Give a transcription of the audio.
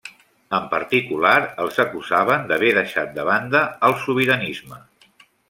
En particular els acusaven d'haver deixat de banda el sobiranisme.